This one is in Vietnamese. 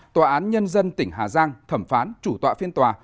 tòa án nhân dân tỉnh hà giang thẩm phán chủ tọa phiên tòa